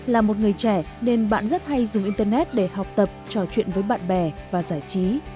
là một người trẻ nên bạn rất hay dùng internet để học tập trò chuyện với bạn bè và giải trí